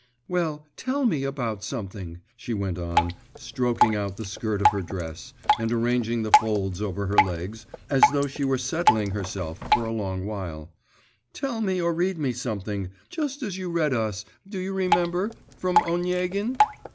'Well, tell me about something,' she went on, stroking out the skirt of her dress, and arranging the folds over her legs, as though she were settling herself for a long while; 'tell me or read me something, just as you read us, do you remember, from Oniegin.